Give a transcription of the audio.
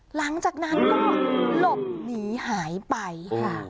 หลังจากนั้นก็หลบหนีหายไปค่ะ